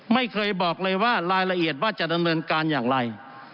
ไม่เคยบอกเลยว่ารายละเอียดว่าจะดำเนินการอย่างไร